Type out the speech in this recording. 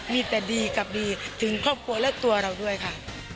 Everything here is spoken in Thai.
มีแต่ดีกับดีถึงครอบครัวและตัวเราด้วยค่ะ